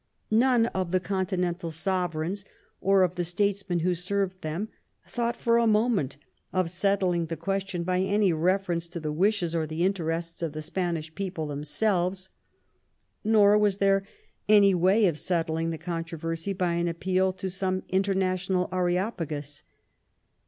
None of the continental sovereigns, or of the statesmen who served them, thought for a moment of settling the ques tion by any reference to the wishes or the interests of the Spanish people themselves. Nor was there any way of settling the controversy by an appeal to 8')me international Areopagus.